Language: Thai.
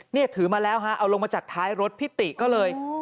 นี่ถือมาแล้วฮะเอาลงมาจากท้ายรถพี่ติก็เลย